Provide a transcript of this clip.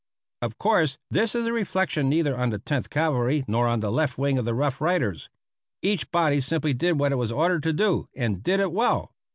Of course, this is a reflection neither on the Tenth Cavalry nor on the left wing of the Rough Riders. Each body simply did what it was ordered to do, and did it well.